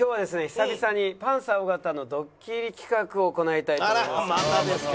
久々にパンサー尾形のドッキリ企画を行いたいと思います。